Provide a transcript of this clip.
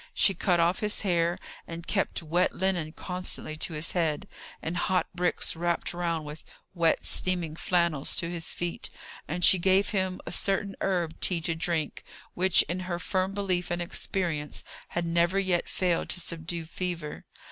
She cut off his hair, and kept wet linen constantly to his head; and hot bricks, wrapped round with wet steaming flannels, to his feet; and she gave him a certain herb tea to drink, which, in her firm belief and experience, had never yet failed to subdue fever.